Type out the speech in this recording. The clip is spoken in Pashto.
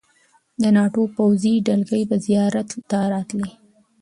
د ناټو پوځي دلګۍ به زیارت ته راتللې.